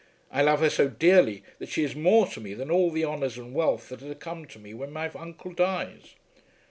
I love her so dearly that she is more to me than all the honours and wealth that are to come to me when my uncle dies."